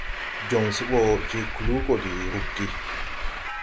Jon se bɔ jɛ kluu gɔ de ruggi.